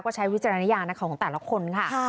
ก็ใช้วิจารณญาณของแต่ละคนค่ะ